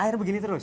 air begini terus